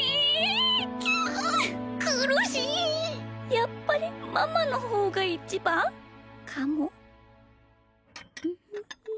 やっぱりママのほうがいちばん？かも。